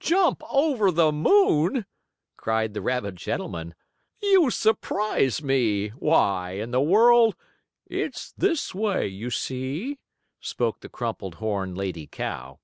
"Jump over the moon!" cried the rabbit gentleman. "You surprise me! Why in the world " "It's this way, you see," spoke the crumpled horn lady cow.